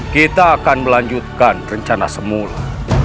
kita akan melanjutkan rencana semula